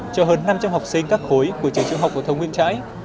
cho hơn năm trăm linh học sinh các khối của trường trung học phổ thông nguyễn trãi